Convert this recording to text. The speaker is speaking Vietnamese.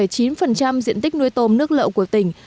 chiếm một mươi bảy chín diện tích nuôi tôm nước lậu của tỉnh